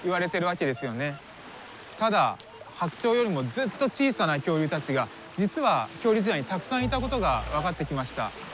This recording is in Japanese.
ただ白鳥よりもずっと小さな恐竜たちが実は恐竜時代にたくさんいたことが分かってきました。